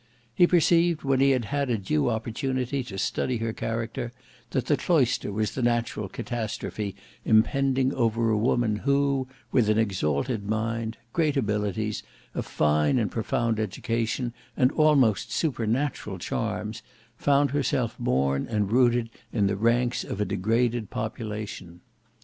He perceived when he had had a due opportunity to study her character, that the cloister was the natural catastrophe impending over a woman who, with an exalted mind, great abilities, a fine and profound education and almost supernatural charms, found herself born and rooted in the ranks of a degraded population.